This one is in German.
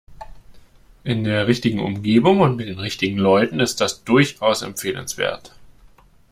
In der richtigen Umgebung und mit den richtigen Leuten ist das durchaus empfehlenswert.